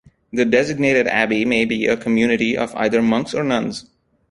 The designated abbey may be a community of either monks or nuns.